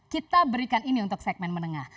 kita berikan ini untuk segmen menengah